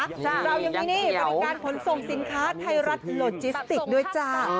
เรายังมีนี่บริการขนส่งสินค้าไทยรัฐโลจิสติกด้วยจ้า